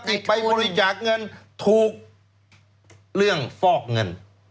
ไปบริจาคเงินถูกเรื่องฟอกเงิน